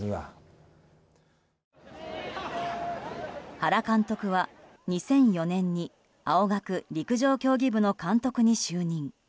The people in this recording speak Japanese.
原監督は２００４年に青学陸上競技部の監督に就任。